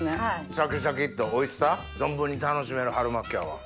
シャキシャキっとおいしさ存分に楽しめる春巻きやわ。